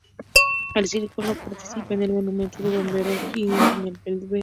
El circuito partirá del Monumento al Bombero, siguiendo en Blvd.